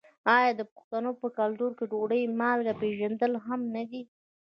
آیا د پښتنو په کلتور کې د ډوډۍ مالګه پیژندل مهم نه دي؟